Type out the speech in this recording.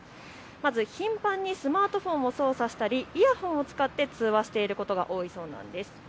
まず頻繁にスマートフォンを操作したりイヤホンを使って通話していることが多いそうなんです。